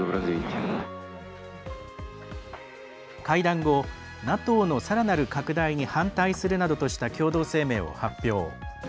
会談後ＮＡＴＯのさらなる拡大に反対するなどとした共同声明を発表。